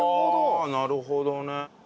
ああなるほどね。